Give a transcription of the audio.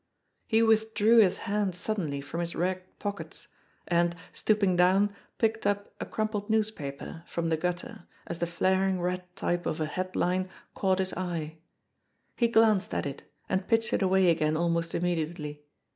He withdrew his hands suddenly from his ragged pockets, and, stooping down, picked up a crumpled newspaper from tiie gutter, as the flaring red type of a headline caught his eye. He glanced at it, and pitched it away again almost immediately.